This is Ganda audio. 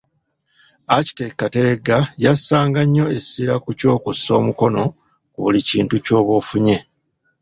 Architect Kateregga yassanga nnyo essira ku ky'okussa omukono ku buli kintu ky’oba ofunye.